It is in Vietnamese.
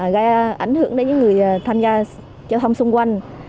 gây ảnh hưởng đến những người tham gia giao thông xung quanh